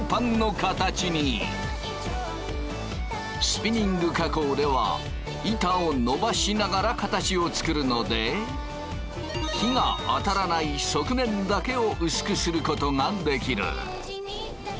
スピニング加工では板をのばしながら形を作るので火があたらない側面だけを薄くすることができる。